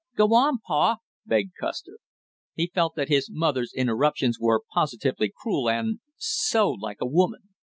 "Go on, pal" begged Custer. He felt that his mother's interruptions were positively cruel, and so like a woman!